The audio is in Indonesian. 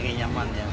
lagi nyaman ya